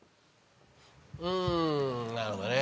うんなるほどね。